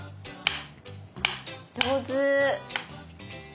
上手！